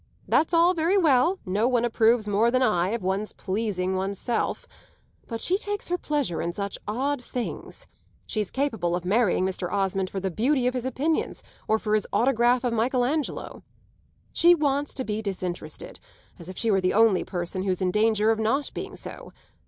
That's all very well; no one approves more than I of one's pleasing one's self. But she takes her pleasure in such odd things; she's capable of marrying Mr. Osmond for the beauty of his opinions or for his autograph of Michael Angelo. She wants to be disinterested: as if she were the only person who's in danger of not being so!